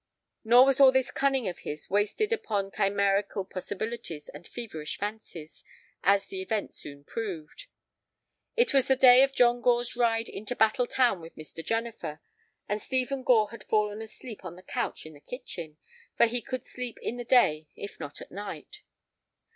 Nor was all this cunning of his wasted upon chimerical possibilities and feverish fancies, as the event soon proved. It was the day of John Gore's ride into Battle Town with Mr. Jennifer, and Stephen Gore had fallen asleep on the couch in the kitchen, for he could sleep in the day if not at night.